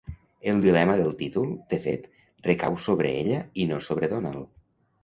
El dilema del títol, de fet, recau sobre ella i no sobre Donald.